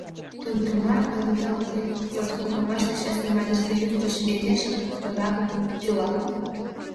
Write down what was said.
Тудымат ойлыде ок лий: сату погымаште частный Марисоюз деч эре шергыракын тӱла.